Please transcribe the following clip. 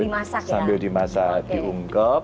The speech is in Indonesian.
iya dibumbuin sambil dimasak diungkep